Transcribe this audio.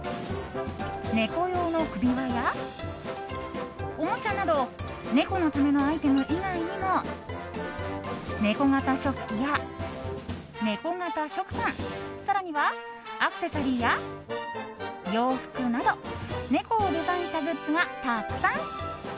猫用の首輪や、おもちゃなど猫のためのアイテム以外にも猫型食器や猫型食パン更にはアクセサリーや洋服など猫をデザインしたグッズがたくさん。